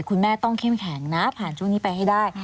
คุณแม่ต้องเข้มแข็งนะผ่านช่วงนี้ไปให้ได้